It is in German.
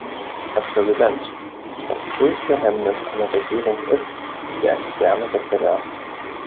Herr Präsident! Das größte Hemmnis einer Regierung ist der externe Wettbewerb.